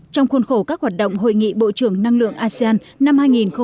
trong khuôn khổ các hoạt động hội nghị bộ trưởng năng lượng asean năm hai nghìn hai mươi